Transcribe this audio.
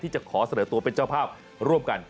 จะขอเสนอตัวเป็นเจ้าภาพร่วมกัน